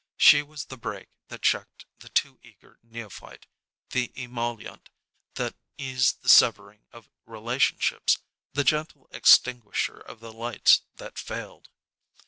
She was the brake that checked the too eager neophyte, the emollient that eased the severing of relationships, the gentle extinguisher of the lights that failed.